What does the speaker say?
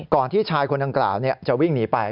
ก่อนที่ชายคนอังกฤษจะวิ่งหนีไป